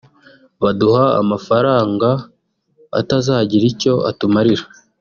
baduha amafaranga atazagira icyo atumarira